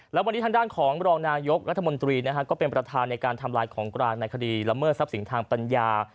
แล้ววันนี้ทางด้านของรองนายกรัฐมนตรีก็เป็นประธานในการทำลายของกลางในคดีละเมิดทรัพย์สินทางปัญญา